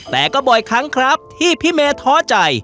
แต่ก็บ่อยครั้งครับที่พี่เมย์ท้อใจ